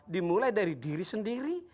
dimulai dari diri sendiri